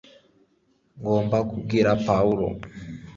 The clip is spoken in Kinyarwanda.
ngomba kubwira pawulo